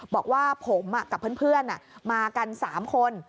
บอกว่าผมกับเพื่อนมากัน๓คน